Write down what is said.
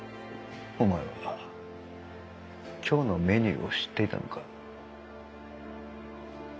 お前は今日のメニューを知っていたのか？